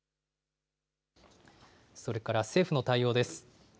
それから政府の対応です。